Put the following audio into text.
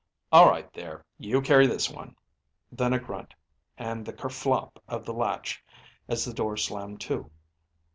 "All right there. You carry this one." Then a grunt, and the ker flop of the latch as the door slammed to.